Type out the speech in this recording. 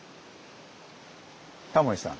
タモリさん。